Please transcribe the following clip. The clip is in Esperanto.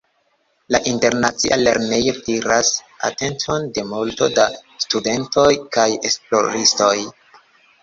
La Internacia Lernejo tiras atenton de multo da studentoj kaj esploristoj.